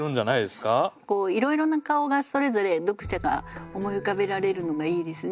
いろいろな顔がそれぞれ読者が思い浮かべられるのがいいですね。